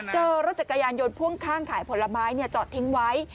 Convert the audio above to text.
เจอรถจักรยานยนต์พ่วงข้างขายผลไม้จอดทิ้งไว้